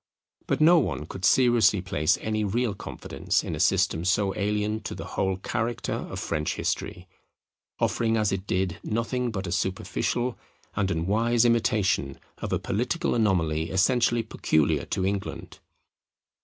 But no one could seriously place any real confidence in a system so alien to the whole character of French history, offering as it did nothing but a superficial and unwise imitation of a political anomaly essentially peculiar to England.